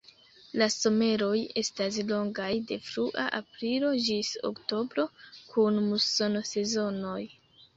La someroj estas longaj, de frua aprilo ĝis oktobro kun musono-sezonoj.